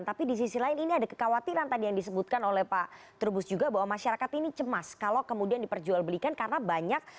tapi di sisi lain ini ada kekhawatiran tadi yang disebutkan oleh pak trubus juga bahwa masyarakat ini cemas kalau kemudian diperjualbelikan karena banyak